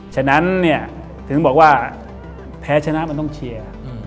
ฉะนั้นเนี่ยถึงบอกว่าแพ้ชนะมันต้องเชียร์